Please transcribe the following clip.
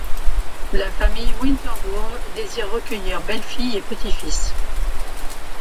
La famille Winterbourne désire recueillir belle-fille et petit-fils.